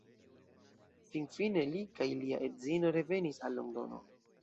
Finfine li kaj lia edzino revenis al Londono.